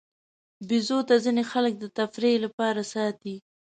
بیزو ته ځینې خلک د تفریح لپاره ساتي.